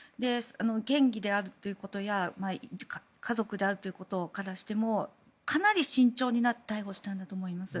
県議であるということや家族であるということからしてもかなり慎重になって逮捕したんだと思います。